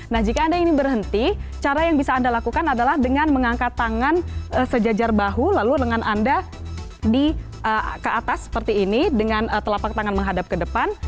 nah jika anda ini berhenti cara yang bisa anda lakukan adalah dengan mengangkat tangan sejajar bahu lalu lengan anda ke atas seperti ini dengan telapak tangan menghadap ke depan